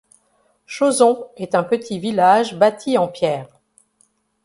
Chauzon est un petit village bâti en pierre.